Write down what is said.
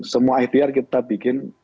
semua ipr kita bikin